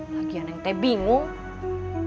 lagian yang teh bingung